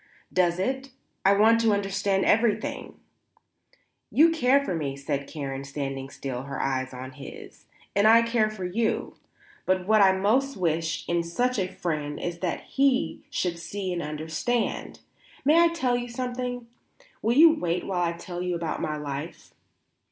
"Does it? I want to understand everything." "You care for me," said Karen, standing still, her eyes on his, "and I care for you; but what I most wish in such a friend is that he should see and understand. May I tell you something? Will you wait while I tell you about my life?"